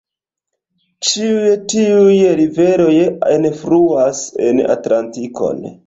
Ĉiuj tiuj riveroj enfluas en Atlantikon.